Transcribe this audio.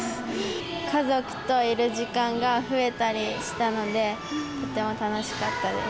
家族といる時間が増えたりしたので、とても楽しかったです。